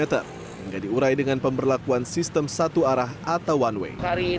hingga diurai dengan pemberlakuan sistem satu arah atau one way